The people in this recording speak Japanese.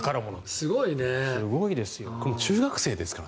すごいですよ。